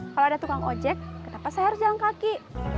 kalau ada tukang ojek kenapa saya harus jalan kaki